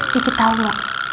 cipit tau gak